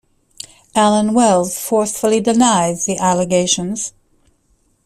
Allan Wells forcefully denies the allegations.